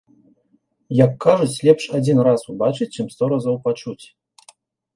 Як кажуць, лепш адзін раз убачыць, чым сто разоў пачуць.